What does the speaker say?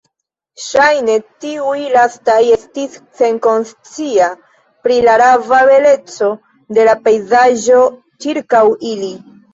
Ŝajne tiuj lastaj estis senkonsciaj pri la rava beleco de la pejzaĝo ĉirkaŭ ili.